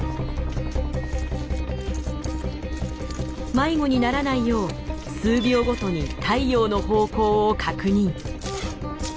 迷子にならないよう数秒ごとに太陽の方向を確認。